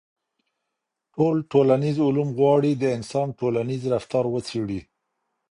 ټول ټولنيز علوم غواړي د انسان ټولنيز رفتار وڅېړي.